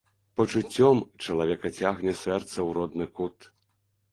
Пачуццём чалавека цягне сэрца ў родны кут.